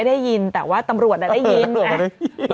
ฟังลูกครับ